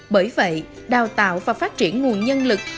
bởi vậy đào tạo và phát triển nguồn nhân lực